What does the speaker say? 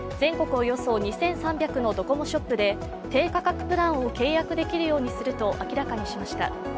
およそ２３００のドコモショップで低価格プランを契約できるようにすると明らかにしました。